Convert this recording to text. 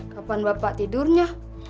kapan bapak tidurnya